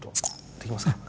できます。